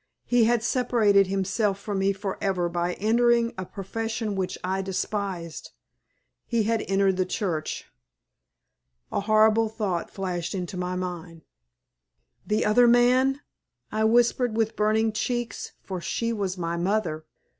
"He had separated himself from me forever by entering a profession which I despised. He had entered the Church." A horrible thought flashed into my mind. "The other man," I whispered, with burning cheeks, for she was my mother.